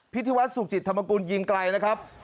พิธีวัฒนสุขจิตธรรมกุลยิงไกลนะครับ